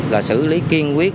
là xử lý kiên quyết